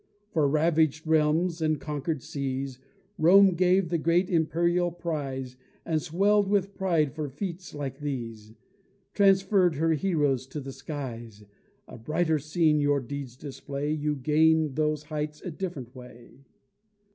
For ravag'd realms and conquer'd seas Rome gave the great imperial prize, And, swell'd with pride, for feats like these, Transferr'd her heroes to the skies: A brighter scene your deeds display, You gain those heights a different way.